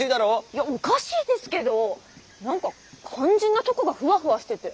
いやおかしいですけどォなんか肝心なとこがフワフワしてて。